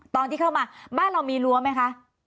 ตอนที่เข้ามาบ้านเรามีรั้วไหมคะ